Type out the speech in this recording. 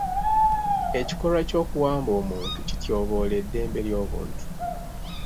Ekikolwa ky'okuwamba omuntu kityoboola eddembe ly'obuntu.